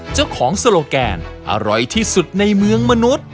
โซโลแกนอร่อยที่สุดในเมืองมนุษย์